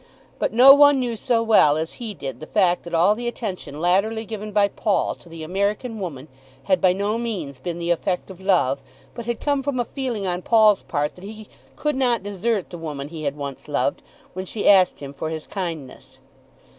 But no one knew so well as he did the fact that all the attention latterly given by Paul to the American woman had by no means been the effect of love, but had come from a feeling on Paul's part that he could not desert the woman he had once loved, when she asked him for his kindness.